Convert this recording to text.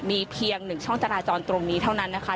มีเพียง๑ช่องจราจรตรงนี้เท่านั้นนะคะ